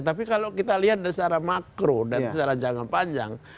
tapi kalau kita lihat secara makro dan secara jangka panjang